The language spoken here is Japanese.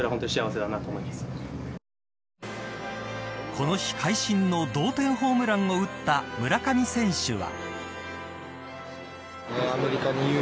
この日、会心の同点ホームランを打った村上選手は。